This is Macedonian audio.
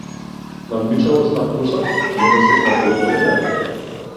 Наумничавост на вкусот, недостиг на подобра идеја?